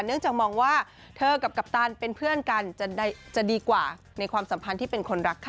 เนื่องจากมองว่าเธอกับกัปตันเป็นเพื่อนกันจะดีกว่าในความสัมพันธ์ที่เป็นคนรักค่ะ